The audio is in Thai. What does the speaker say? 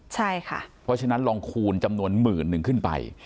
ใช่ค่ะเพราะฉะนั้นลองคูณจำนวนหมื่นหนึ่งขึ้นไป